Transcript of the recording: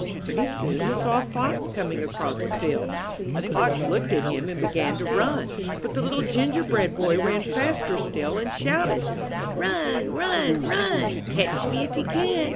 Pretty soon he saw a fox coming across a field. The fox looked at him and began to run, but the Little Gingerbread Boy ran faster still and shouted out: *^Run! Run! Run! Catch me if you can!